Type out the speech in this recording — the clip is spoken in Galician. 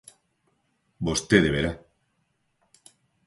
Vostede verá.